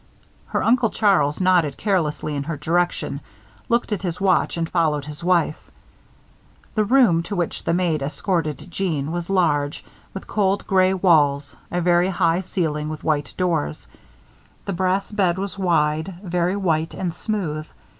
Her Uncle Charles nodded carelessly in her direction, looked at his watch, and followed his wife. The room to which the maid escorted Jeanne was large, with cold gray walls, a very high ceiling, and white doors. The brass bed was wide, very white and smooth.